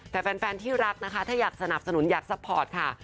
แต่แฟนที่รักนะคะถ้าอยากสนับสนุนอยากซัพพอร์ตค่ะ